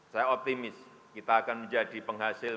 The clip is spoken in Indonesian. saya optimis kita akan menjadi penghasil